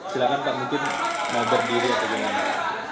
silahkan pak mungkin mau berdiri atau gimana